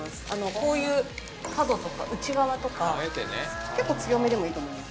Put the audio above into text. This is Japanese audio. こういう角とか内側とか結構、強めでもいいと思います。